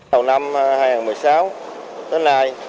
hầu năm hai nghìn một mươi sáu tới nay